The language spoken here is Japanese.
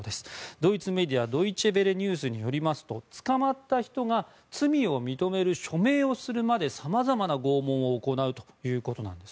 ドイツメディアドイチェ・ヴェレニュースによりますと捕まった人が罪を認める署名をするまでさまざまな拷問を行うということです。